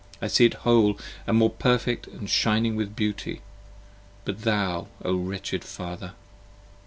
I see it whole and more Perfect: and shining with beauty! But thou! O wretched Father!